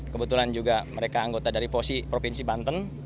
kebetulan juga mereka anggota dari fosi provinsi banten